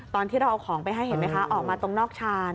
ตอนที่เราเอาของไปให้เห็นไหมคะออกมาตรงนอกชาน